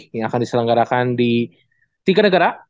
yang akan diselenggarakan di tiga negara